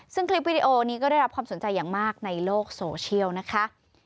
ซึ่งคลิปวิดีโอนี้ก็ได้รับความสนใจอย่างมากในโลกโซเชียลนะคะ